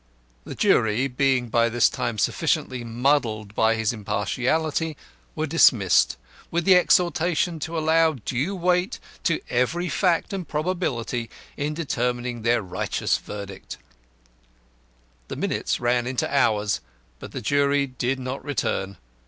The jury, being by this time sufficiently muddled by his impartiality, were dismissed, with the exhortation to allow due weight to every fact and probability in determining their righteous verdict. The minutes ran into hours, but the jury did not return.